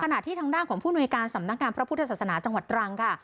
ขณะที่ทางด้านของผู้หน่วยการสำนักงานพระพุทธศาสนาจังหวัดตรังค่ะ